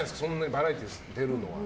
バラエティーに出るのは。